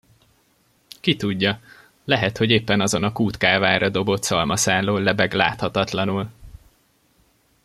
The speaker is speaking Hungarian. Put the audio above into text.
Ki tudja, lehet, hogy éppen azon a kútkávára dobott szalmaszálon lebeg láthatatlanul.